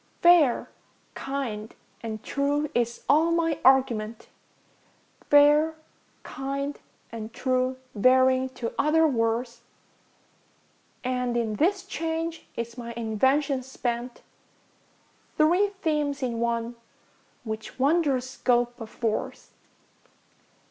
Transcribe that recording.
ŌĆśFair, kind, and true, ŌĆÖ is all my argument, ŌĆśFair, kind, and true, ŌĆÖ varying to other words; And in this change is my invention spent, Three themes in one, which wondrous scope affords.